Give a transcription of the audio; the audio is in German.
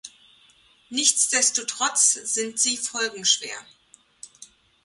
Nichtsdestotrotz sind sie folgenschwer.